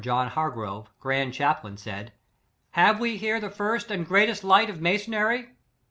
John Hargrove, Grand Chaplain, said, '• Have we here the first and great est light of masonry